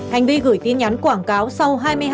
hành vi gửi tin nhắn quảng cáo sau hai mươi hai h